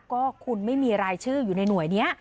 ก็คุณไม่มีรายชื่ออยู่ในหน่วยนี้